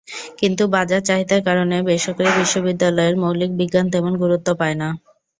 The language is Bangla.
কিন্তু বাজারচাহিদার কারণে বেসরকারি বিশ্ববিদ্যালয়ে মৌলিক বিজ্ঞান তেমন গুরুত্ব পায় না।